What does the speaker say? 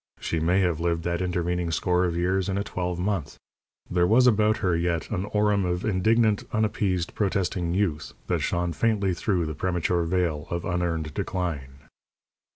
She may have lived that intervening score of years in a twelve month. There was about her yet an aurum of indignant, unappeased, protesting youth that shone faintly through the premature veil of unearned decline.